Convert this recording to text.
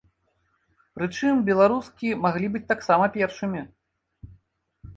Прычым, беларускі маглі быць таксама першымі.